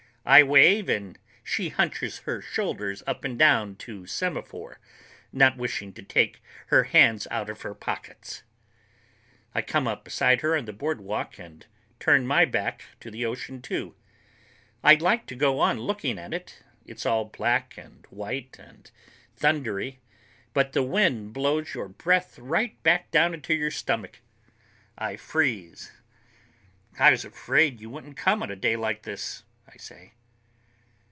I wave and she hunches her shoulders up and down to semaphore, not wishing to take her hands out of her pockets. I come up beside her on the boardwalk and turn my back to the ocean, too. I'd like to go on looking at it—it's all black and white and thundery—but the wind blows your breath right back down into your stomach. I freeze. "I was afraid you wouldn't come on a day like this," I say.